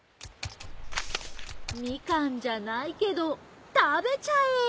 みかんじゃないけどたべちゃえ！